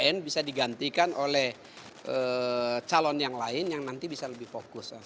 yang bisa digantikan oleh calon yang lain yang nanti bisa lebih fokus